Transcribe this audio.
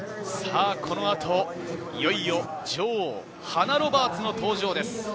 この後、いよいよ女王、ハナ・ロバーツ登場です。